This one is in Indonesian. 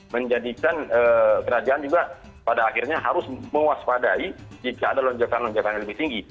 menjadikan kerajaan juga pada akhirnya harus mewaspadai jika ada lonjakan lonjakan yang lebih tinggi